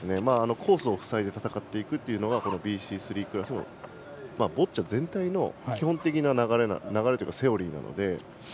コースを塞いで戦うのがこのＢＣ３クラスのボッチャ全体の基本的な流れというかセオリーなので。